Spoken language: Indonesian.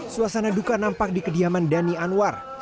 suasana duka nampak di kediaman dhani anwar